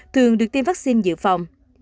thường được tiêm vaccine dự phòng